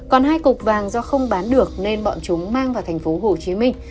còn hai cục vàng do không bán được nên bọn chúng mang vào thành phố hồ chí minh